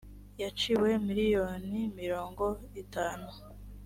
yaciwe miliyoni mirongo itanu